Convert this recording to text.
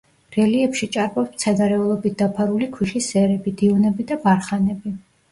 რელიეფში ჭარბობს მცენარეულობით დაფარული ქვიშის სერები, დიუნები და ბარხანები.